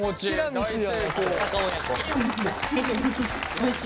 おいしい。